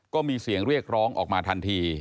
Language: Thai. ก็มีเสียงเรียกร้องออกมาทันที